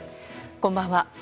こんばんは。